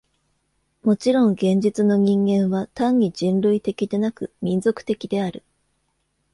もちろん現実の人間は単に人類的でなく、民族的である。